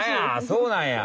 そうなんや。